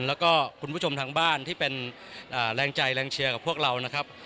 แล้วก็คุณผู้ชมทางบ้านที่เป็นแรงใจแรงเชียร์กับพวกเรานะครับ